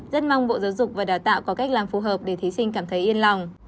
rất mong bộ giáo dục và đào tạo có cách làm phù hợp để thí sinh cảm thấy yên lòng